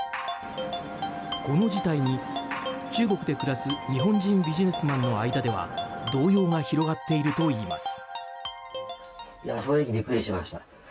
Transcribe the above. この事態に、中国で暮らす日本人ビジネスマンの間では動揺が広がっているといいます。